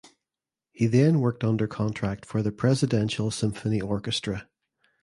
He then worked under contract for the Presidential Symphony Orchestra.